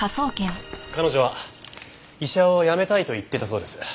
彼女は医者を辞めたいと言っていたそうです。